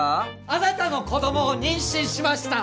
あなたの子供を妊娠しました